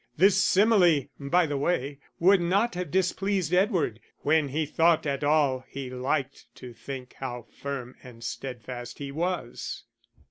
This simile, by the way, would not have displeased Edward; when he thought at all, he liked to think how firm and steadfast he was.